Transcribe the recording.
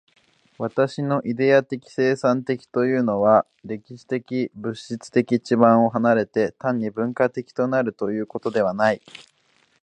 私のイデヤ的生産的というのは、歴史的物質的地盤を離れて、単に文化的となるということではない。